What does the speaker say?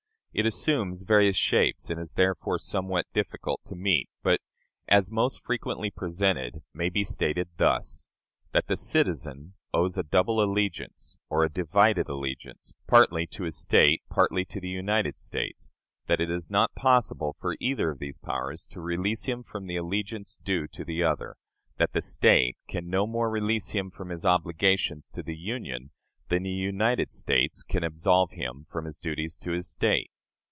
It assumes various shapes, and is therefore somewhat difficult to meet, but, as most frequently presented, may be stated thus: that the citizen owes a double allegiance, or a divided allegiance partly to his State, partly to the United States: that it is not possible for either of these powers to release him from the allegiance due to the other: that the State can no more release him from his obligations to the Union than the United States can absolve him from his duties to his State.